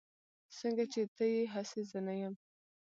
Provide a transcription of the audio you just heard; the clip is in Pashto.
سنګه چې ته يي هسې زه نه يم